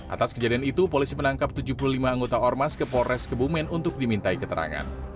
atas kejadian itu polisi menangkap tujuh puluh lima anggota ormas ke polres kebumen untuk dimintai keterangan